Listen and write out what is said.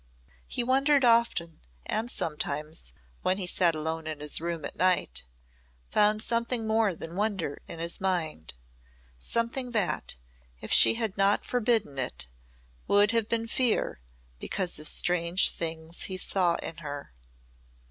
He wondered often and sometimes, when he sat alone in his room at night, found something more than wonder in his mind something that, if she had not forbidden it, would have been fear because of strange things he saw in her.